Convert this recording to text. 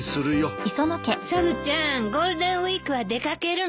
サブちゃんゴールデンウィークは出掛けるの？